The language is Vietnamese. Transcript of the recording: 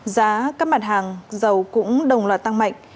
giá các mặt hàng dầu cũng đồng loạt tăng mạnh